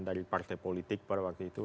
dari partai politik pada waktu itu